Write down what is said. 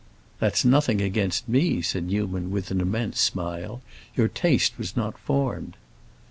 "That's nothing against me," said Newman with an immense smile; "your taste was not formed."